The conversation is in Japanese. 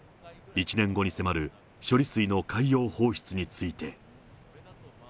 １年後に迫る処理水の海洋放出について。